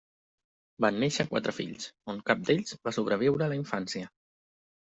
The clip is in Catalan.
Van néixer quatre fills, on cap d'ells va sobreviure a la infància.